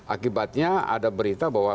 akibatnya ada berita bahwa